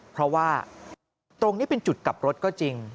เพราะว่าตรงนี้เป็นจุดกลับรถก็จริง